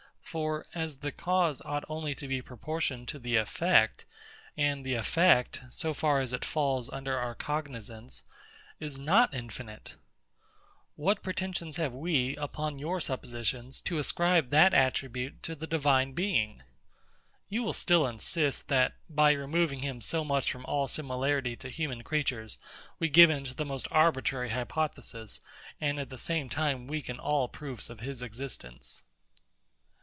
For, as the cause ought only to be proportioned to the effect, and the effect, so far as it falls under our cognisance, is not infinite; what pretensions have we, upon your suppositions, to ascribe that attribute to the Divine Being? You will still insist, that, by removing him so much from all similarity to human creatures, we give in to the most arbitrary hypothesis, and at the same time weaken all proofs of his existence.